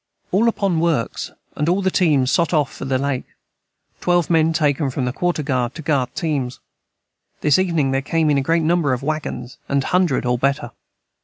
All upon works & all the teams sot of for the Lake 12 men taken from the quorter guard to guard teams this evening there came in a great number of waggons and hundred or better.